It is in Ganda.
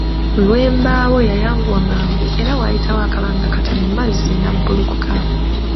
Lwembaawo yayanguwa mangu era waayita akabagna katono Mazzi nabbulukuka.